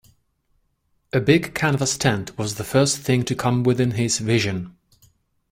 A big canvas tent was the first thing to come within his vision.